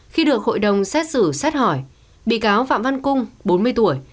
khi được hội đồng xét xử xét hỏi bị cáo phạm văn cung bốn mươi tuổi